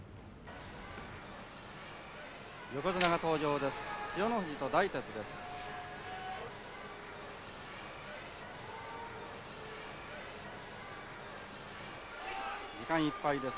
横綱が登場です。